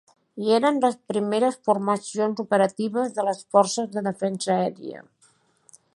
Hi eren les primeres formacions operatives de les Forces de Defensa Aèria.